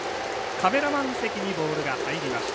カメラマン席にボールが入りました。